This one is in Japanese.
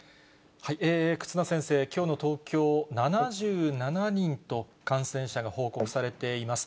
忽那先生、きょうの東京、７７人と感染者が報告されています。